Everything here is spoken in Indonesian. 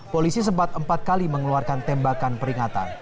polisi sempat empat kali mengeluarkan tembakan peringatan